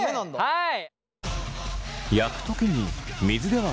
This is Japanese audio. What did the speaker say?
はい！